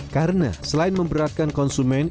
karena selain memberatkan konsumen